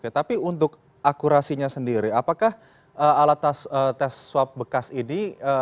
tapi untuk akurasinya sendiri apakah alat swab tes bekas ini